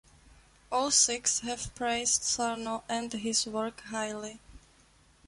All six have praised Sarno and his work highly.